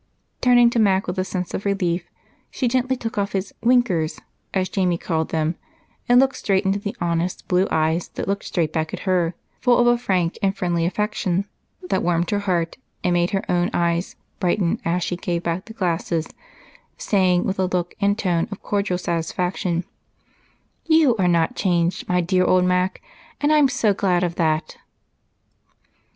Turning to Mac with a sense of relief, she gently took off his "winkers," as Jamie called them, and looked straight into the honest blue eyes that looked straight back at her, full of a frank and friendly affection that warmed her heart and made her own eyes brighten as she gave back the glasses, saying, with a look and tone of cordial satisfaction, "You are not changed, my dear old Mac, and I'm so glad of that!"